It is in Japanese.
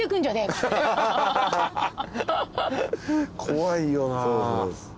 怖いよな。